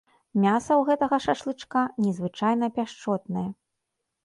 Мяса ў гэтага шашлычка незвычайна пяшчотнае.